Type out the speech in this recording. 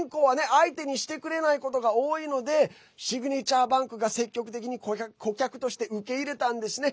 相手にしてくれないことが多いのでシグネチャーバンクが積極的に顧客として受け入れたんですね。